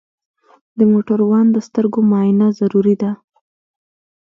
د موټروان د سترګو معاینه ضروري ده.